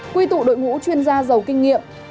quy tụ đội ngũ chuyên gia giàu kinh nghiệm